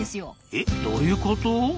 えどういうこと？